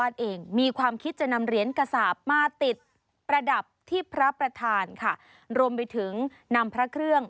ที่พระประธานค่ะรวมไปถึงนำพระเครื่อง